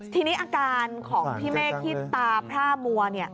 ทีนี้อาการของพี่เมฆที่ตาพร่ามัว